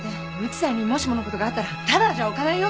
内さんにもしものことがあったらただじゃおかないよ